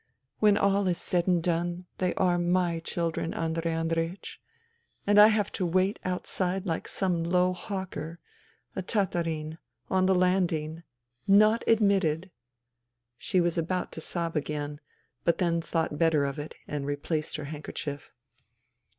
When all is said and done, they are my children, Andrei Andreiech. And I have to wait outside like some low hawker — a tatarin — on the landing ... not admitted. ..." She was about to sob again, but then thought better of it and replaced her handkerchief.